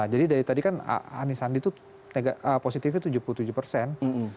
jadi dari tadi kan anisandi positifnya tujuh puluh tujuh persen